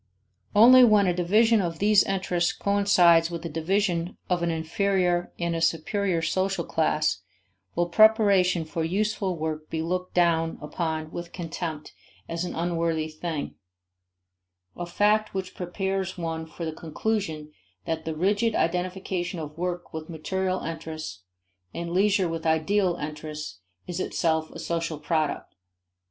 Only when a division of these interests coincides with a division of an inferior and a superior social class will preparation for useful work be looked down upon with contempt as an unworthy thing: a fact which prepares one for the conclusion that the rigid identification of work with material interests, and leisure with ideal interests is itself a social product.